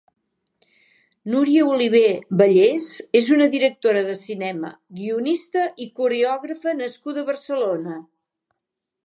Núria Olivé-Bellés és una directora de cinema, guionista i coreògrafa nascuda a Barcelona.